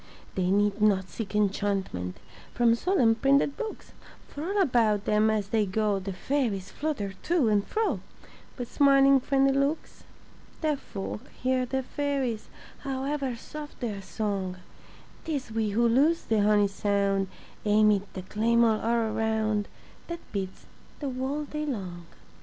They need not seek enchantment From solemn printed books, For all about them as they go The fairies flutter to and fro With smiling friendly looks. Deaf folk hear the fairies, However soft their song; Tis we who lose the honey sound Amid the clamor all around That beats the whole day long.